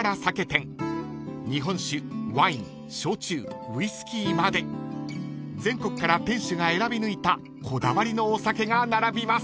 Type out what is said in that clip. ［日本酒ワイン焼酎ウイスキーまで全国から店主が選び抜いたこだわりのお酒が並びます］